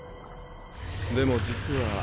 でも実は。